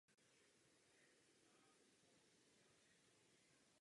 Barevně odlišení kandidáti postoupili do druhého kola.